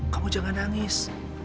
kamu jangan nangis